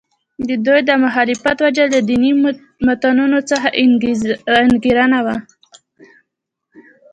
د دوی د مخالفت وجه له دیني متنونو څخه انګېرنه وه.